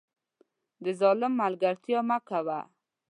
د ظالم ملګرتیا مه کوه